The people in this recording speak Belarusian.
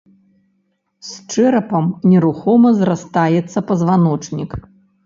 З чэрапам нерухома зрастаецца пазваночнік.